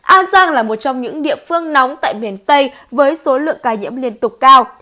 an giang là một trong những địa phương nóng tại miền tây với số lượng ca nhiễm liên tục cao